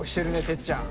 てっちゃん